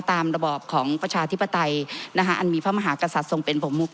ระบอบของประชาธิปไตยอันมีพระมหากษัตริย์ทรงเป็นผมมุก